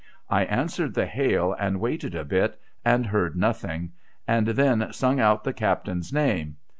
I answered the hail, and waited a bit, and heard nothing, and then sung out the captain's name.